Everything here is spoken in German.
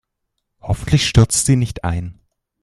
Hoffentlich stürzt sie nicht ein.